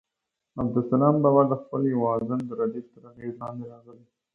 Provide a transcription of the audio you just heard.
عبدالسلام بابا د خپل یوه غزل د ردیف تر اغېز لاندې راغلی.